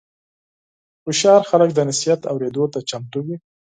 هوښیار خلک د نصیحت اورېدو ته چمتو وي.